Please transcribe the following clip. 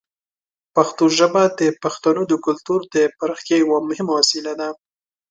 پښتو ژبه د پښتنو د کلتور د پراختیا یوه مهمه وسیله ده.